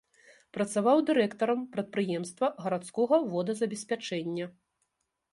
Працаваў дырэктарам прадпрыемства гарадскога водазабеспячэння.